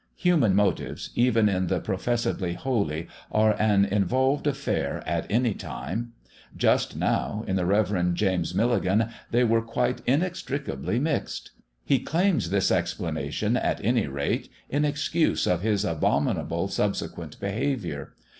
Human motives, even in the professedly holy, are an involved affair at any time. Just now, in the Rev. James Milligan, they were quite inextricably mixed. He claims this explanation, at any rate, in excuse of his abominable subsequent behaviour.